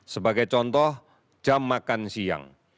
sebagai contoh jam makan siang